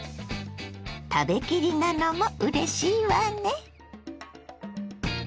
食べきりなのもうれしいわね。